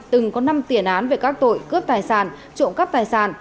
từng có năm tiền án về các tội cướp tài sản trộm cắp tài sản